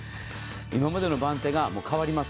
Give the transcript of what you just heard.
今までの番手が変わります。